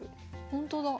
ほんとだ。